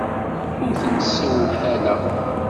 Ur kent-ssewḥaleɣ.